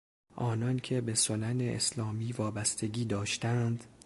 آنان که به سنن اسلامی وابستگی داشتند